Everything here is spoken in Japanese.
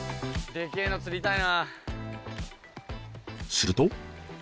すると。